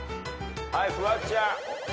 はいフワちゃん。